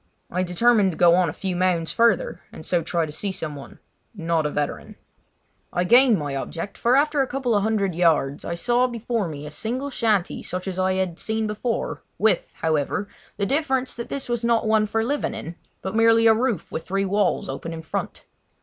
I determined to go on a few mounds further and so try to see someone—not a veteran. I gained my object, for after going a couple of hundred yards I saw before me a single shanty such as I had seen before—with, however, the difference that this was not one for living in, but merely a roof with three walls open in front.